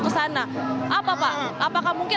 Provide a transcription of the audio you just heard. ke sana apa pak apakah mungkin